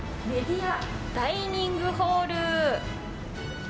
メディアダイニングホール。